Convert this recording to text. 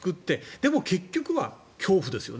でも、結局は恐怖ですよね。